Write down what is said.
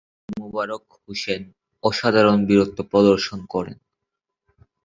এই যুদ্ধে মোবারক হোসেন অসাধারণ বীরত্ব প্রদর্শন করেন।